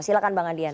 silahkan bang adian